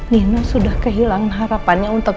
nina sudah kehilangan harapannya untuk